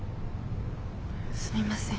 すみません。